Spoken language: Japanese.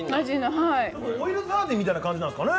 オイルサーディンみたいな感じじゃないですかね。